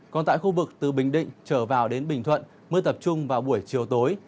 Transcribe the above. còn tại khu vực từ bình định trở vào đến bình thuận mưa tập trung vào buổi chiều tối